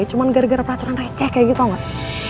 cuman gara gara peraturan receh kayak gitu tau gak